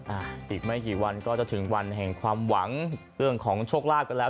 อีกไม่กี่วันก็จะถึงวันแห่งความหวังเรื่องของโชคลาภกันแล้ว